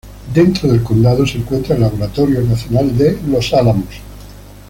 Dentro del condado se encuentra el Laboratorio Nacional de Los Álamos.